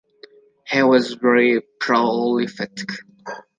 He was very prolific.